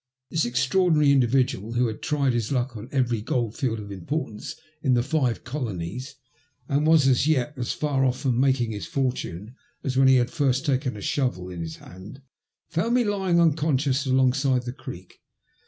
This extraordinary individual, who had tried his luck on every gold field of importance in the five colonies and was as yet as far off making his fortune as when he had first taken a shovel in his hand, found me lying unconscious alongside the creek.